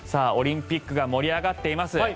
オリンピックが盛り上がっています。